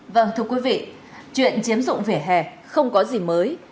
vâng thưa quý vị chuyện chiếm dụng vẻ hè không có gì mới